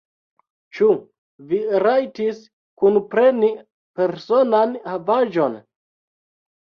Ĉu vi rajtis kunpreni personan havaĵon?